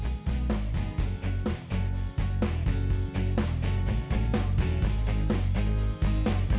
ya sebenernya sih bukan ngambil kesempatan aja